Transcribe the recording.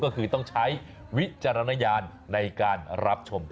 ก็คือต้องใช้วิจารณญาณในการรับชม